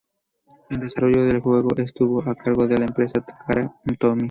El desarrollo del juego estuvo a cargo de la empresa Takara Tomy.